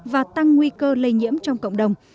và tăng nguy cơ lây nhiễm trong cộng đồng